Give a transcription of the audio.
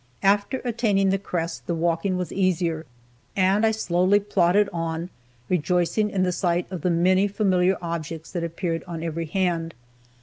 After attaining the crest, the walking was easier, and I slowly plodded on, rejoicing in the sight of the many familiar objects that appeared on every hand.